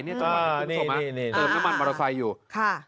นี่นี่คุณผู้ชมมาเติมน้ำมันมอเตอร์ไซต์อยู่ค่ะ